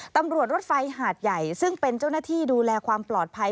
รถไฟหาดใหญ่ซึ่งเป็นเจ้าหน้าที่ดูแลความปลอดภัย